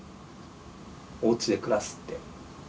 おうちで暮らすって。